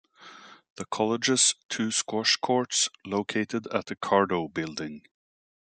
The college's two squash courts, located at the Cardo Building.